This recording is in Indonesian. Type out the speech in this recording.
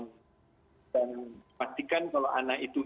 dan pastikan kalau anak itu